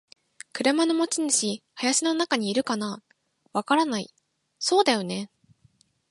「車の持ち主。林の中にいるかな？」「わからない。」「そうだよね。」